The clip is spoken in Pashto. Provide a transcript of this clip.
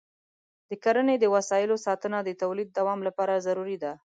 د کرني د وسایلو ساتنه د تولید دوام لپاره ضروري ده.